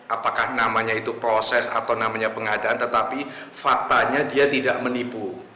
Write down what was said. apakah namanya itu proses atau namanya pengadaan tetapi faktanya dia tidak menipu